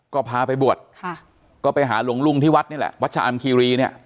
ก็พาไปบวชค่ะก็ไปหาหลวงลุงที่วัดนี่แหละวัดชะอำคีรีเนี่ย